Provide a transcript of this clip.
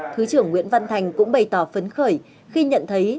thứ trưởng nguyễn văn thành cũng bày tỏ phấn khởi khi nhận thấy